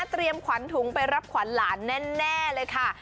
ขวัญถุงไปรับขวัญหลานแน่เลยค่ะ